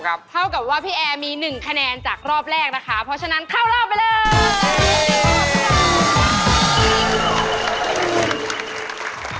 เขาที่เล่นน่าจะเป็นคาริสตานิค